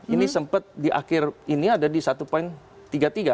ini sempat di akhir ini ada di satu tiga puluh tiga